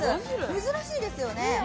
珍しいですよね。